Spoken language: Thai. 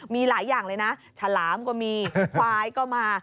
มีหลายอย่างเลยนะฉลามก็มีควายก็มา